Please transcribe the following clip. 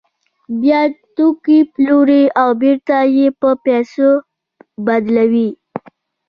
بیا توکي پلوري او بېرته یې په پیسو بدلوي